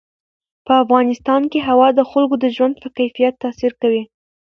په افغانستان کې هوا د خلکو د ژوند په کیفیت تاثیر کوي.